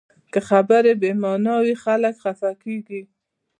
که خبرې بې معنا وي، خلک خفه کېږي